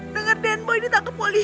dengar den boy ditangkap polisi